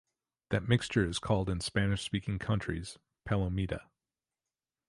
That mixture is called in Spanish speaking countries "palomita".